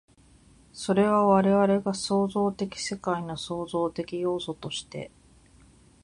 それは我々が創造的世界の創造的要素として、